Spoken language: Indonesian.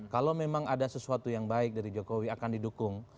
kalau memang ada sesuatu yang baik dari jokowi akan didukung